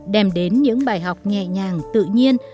đem đến những bài học nhẹ nhàng tự nhiên